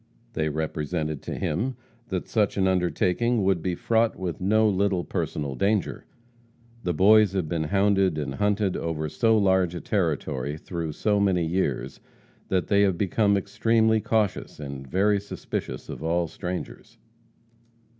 They represented to him that such an undertaking would be fraught with no little personal danger. The Boys have been hounded and hunted over so large a territory, through so many years, that they have become extremely cautious, and very suspicious of all strangers.